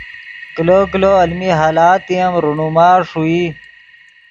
کلو کلو المین حالاتے ام رونما ݰوئی